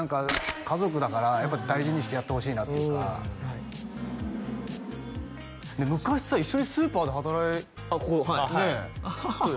家族だからやっぱ大事にしてやってほしいなっていうか昔さ一緒にスーパーで働いてあっここはいそうです